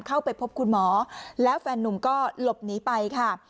เข้าไปพบคุณหมอแล้วแฟนนุ่มก็หลบหนีไปค่ะ